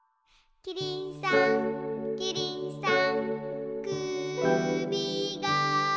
「キリンさんキリンさん」